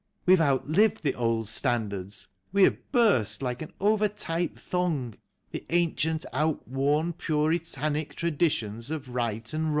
We have outlived the old standards ; we have burst, like an over tight thong. The ancient, outworn, puritanic traditions of Eight and Wrong."